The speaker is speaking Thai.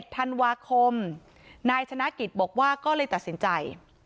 ธันวาคมนายชนะกิจบอกว่าก็เลยตัดสินใจ